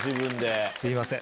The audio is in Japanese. すいません。